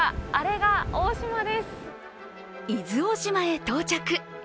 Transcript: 伊豆大島へ到着。